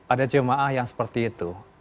ada jemaah yang seperti itu